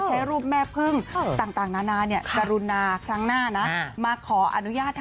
ฉันรูปแม่ผึ้งต่างนานานย